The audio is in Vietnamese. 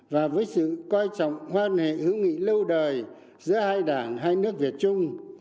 và với sự coi trọng quan hệ hữu nghị lâu đời giữa hai đảng hai nước việt trung